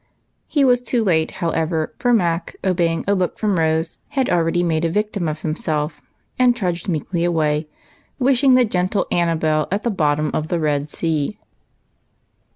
He was too late, however, for Mac, obeying a look from Rose, had already made a victim of himself, and trudged meekly away, wishing the gentle Annabel at the bottom of the Red Sea.